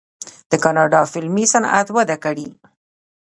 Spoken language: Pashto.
د کاناډا فلمي صنعت وده کړې.